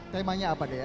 temanya apa dea